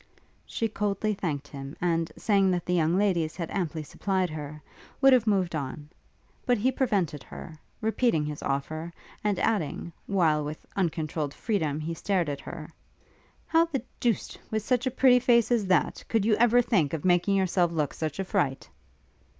She coldly thanked him, and, saying that the young ladies had amply supplied her, would have moved on: but he prevented her, repeating his offer, and adding, while with uncontrolled freedom he stared at her, 'How the deuce, with such a pretty face as that, could you ever think of making yourself look such a fright?'